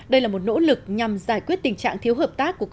đây là một nỗ lực nhằm giải quyết tình trạng thiếu hợp tác